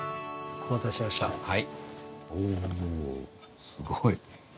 おおすごい。